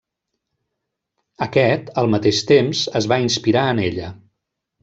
Aquest, al mateix temps, es va inspirar en ella.